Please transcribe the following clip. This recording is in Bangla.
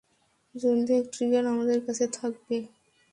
জলদি এক ট্রিগার আমাদের কাছে থাকবে।